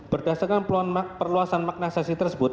berdasarkan peluasan makna saksi tersebut